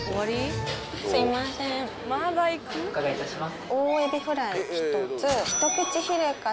お伺いいたします。